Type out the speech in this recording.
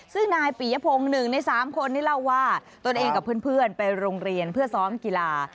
ซึ่งนายปียพงศ์๑ใน๓คนนี้เล่าว่าตนเองกับเพื่อนไปโรงเรียนเพื่อซ้อมกีฬา